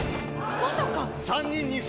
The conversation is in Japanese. まさか！